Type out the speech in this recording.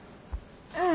うん。